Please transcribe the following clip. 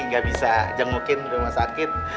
nggak bisa jengukin rumah sakit